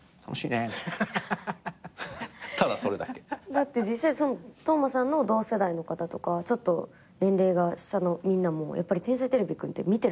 だって実際斗真さんの同世代の方とかちょっと年齢が下のみんなも『天才てれびくん』って見てる。